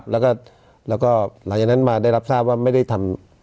แล้วก็หลังจากนั้นมาได้รับทราบว่าไม่ได้ทำ